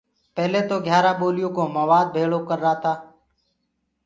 پيلي تو گھيٚيآرآ ٻوليو ڪو موآد ڀيݪو ڪرتآ۔